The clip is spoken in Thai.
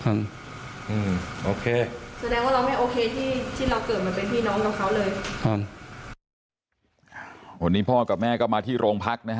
อย่างเงี้ยมีขอปังไหมไม่หิงไม่ฟังเลยหืออืมแต่เขาตื่นขึ้นมา